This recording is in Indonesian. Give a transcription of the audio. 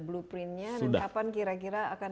blueprintnya dan kapan kira kira akan